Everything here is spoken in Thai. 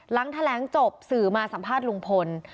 หลังแถลงจบสื่อมาสัมภาษณ์ลุงพล